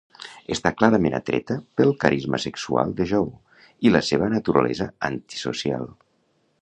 Està clarament atreta pel carisma sexual de Joe i la seva naturalesa antisocial.